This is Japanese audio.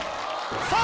さあ